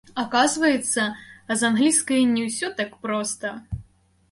Аказваецца, з англійскай не ўсё так проста.